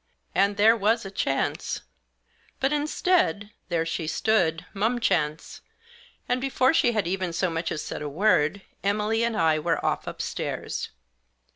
And there was a chance ! But, instead, there she stood mumchance, and before she had even so much as said a word, Emily and I were off upstairs.